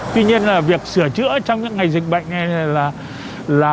tuy nhiên là việc sửa chữa trong những ngày dịch bệnh này là